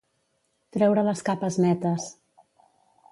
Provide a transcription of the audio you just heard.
Treure les capes netes.